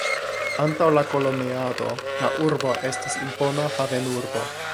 Antaŭ la koloniado la urbo estis impona havenurbo.